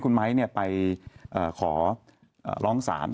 คุณไม้เนี่ยไปขอร้องสาร